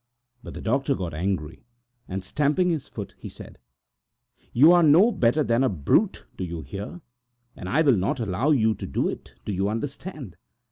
But the doctor got angry, and stamping his foot he said: "You are no better than a brute, do you hear, and I will not allow you to do it. Do you understand?